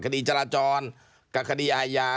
คดีจราจรกับคดีอาญา